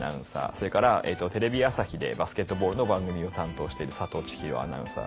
それからテレビ朝日でバスケットボールの番組を担当している佐藤ちひろアナウンサー